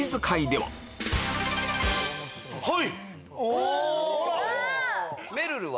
はい。